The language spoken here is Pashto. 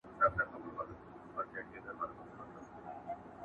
ماسومانو چي تلکه ایښودله.